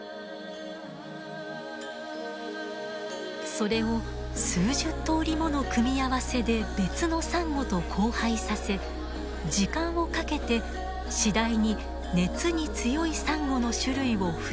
それを数十通りもの組み合わせで別のサンゴと交配させ時間をかけて次第に熱に強いサンゴの種類を増やしていく計画です。